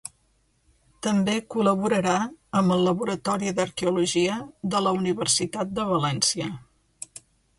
També col·laborarà amb el Laboratori d'Arqueologia de la Universitat de València.